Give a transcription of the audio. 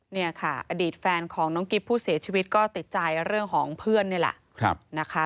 เนี่ยค่ะอดีตแฟนของน้องกิ๊บผู้เสียชีวิตก็ติดใจเรื่องของเพื่อนนี่แหละนะคะ